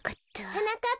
はなかっ